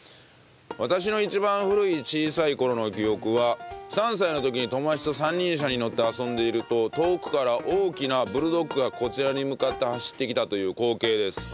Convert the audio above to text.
私の一番古い小さい頃の記憶は３歳の時に友達と三輪車に乗って遊んでいると遠くから大きなブルドッグがこちらに向かって走ってきたという光景です。